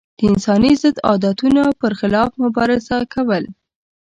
د انساني ضد عادتونو پر خلاف مبارزه کول.